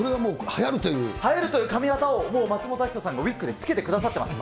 はやるという髪形をもう松本明子さんがウィッグでつけてくださってます。